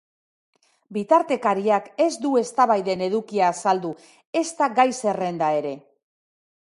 Bitartekariak ez du eztabaiden edukia azaldu, ezta gai-zerrenda ere.